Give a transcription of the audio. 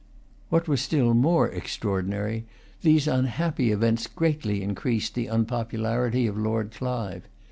What was still more extraordinary, these unhappy events greatly increased the unpopularity of Lord Clive.